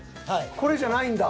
これじゃないんだ？